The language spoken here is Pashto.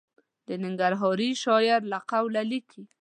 د ننګرهاري شاعر له قوله لیکي.